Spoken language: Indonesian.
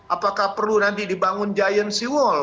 apakah perlu nanti dibangun giant seawall